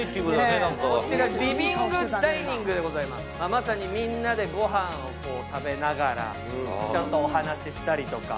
まさにみんなでご飯を食べながらちょっとお話をしたりとか。